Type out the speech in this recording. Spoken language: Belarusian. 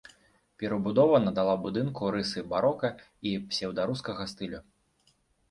Перабудова надала будынку рысы барока і псеўдарускага стылю.